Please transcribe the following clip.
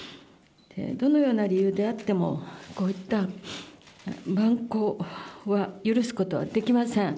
どのような理由であってもこういった蛮行は許すことはできません。